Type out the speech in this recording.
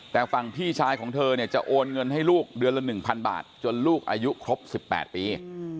แต่ฝั่งพี่ชายของเธอเนี่ยจะโอนเงินให้ลูกเดือนละ๑๐๐บาทจนลูกอายุครบ๑๘ปี